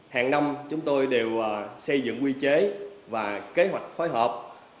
hàng năm chúng tôi đều xây dựng quy chế và kế hoạch phối hợp